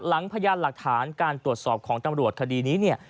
พยานหลักฐานการตรวจสอบของตำรวจคดีนี้เนี่ย